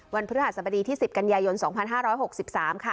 วันพฤหษมดีที่๑๐กันยายน๒๕๖๓ค่ะ